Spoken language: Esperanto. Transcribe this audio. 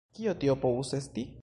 Kio tio povus esti?